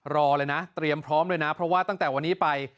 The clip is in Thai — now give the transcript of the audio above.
รอเลยนะเตรียมพร้อมเลยนะเพราะว่าตั้งแต่วันนี้ไป